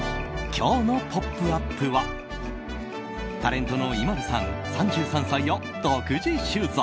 今日の「ポップＵＰ！」はタレントのＩＭＡＬＵさん、３３歳を独自取材。